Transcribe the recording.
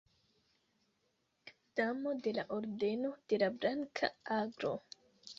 Damo de la Ordeno de la Blanka Aglo.